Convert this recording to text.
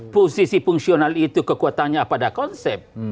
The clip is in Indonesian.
posisi fungsional itu kekuatannya pada konsep